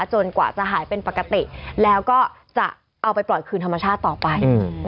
กว่าจะหายเป็นปกติแล้วก็จะเอาไปปล่อยคืนธรรมชาติต่อไป